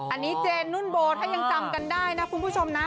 อันนี้เจนนุ่นโบถ้ายังจำกันได้นะคุณผู้ชมนะ